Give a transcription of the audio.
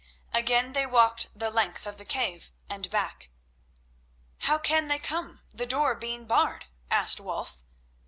Again they walked the length of the cave and back. "How can they come, the door being barred?" asked Wulf.